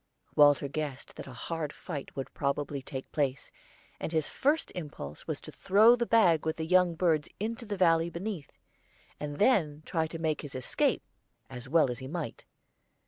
Walter guessed that a hard fight would probably take place, and his first impulse was to throw the bag with the young birds into the valley beneath, and then try to make his escape as well as he might.